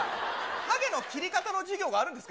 はげの切り方の授業があるんですか。